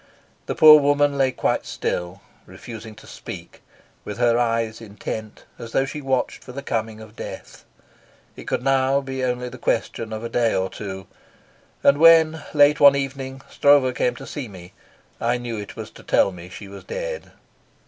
The poor woman lay quite still, refusing to speak, with her eyes intent, as though she watched for the coming of death. It could now be only the question of a day or two; and when, late one evening, Stroeve came to see me I knew it was to tell me she was dead.